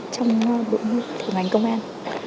trong đội ngành công an